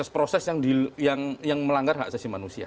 proses yang melanggar hak asasi manusia